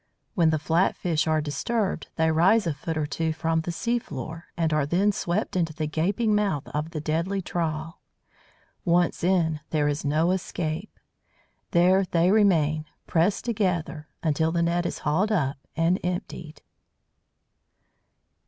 When the flat fish are disturbed, they rise a foot or two from the sea floor, and are then swept into the gaping mouth of the deadly trawl. Once in, there is no escape. There they remain, pressed together, until the net is hauled up and emptied.